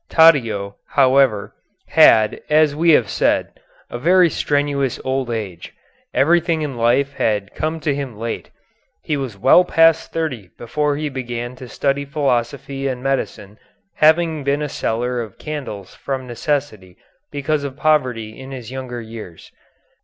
Taddeo, however, had, as we have said, a very strenuous old age. Everything in life had come to him late. He was well past thirty before he began to study philosophy and medicine, having been a seller of candles from necessity because of poverty in his younger years.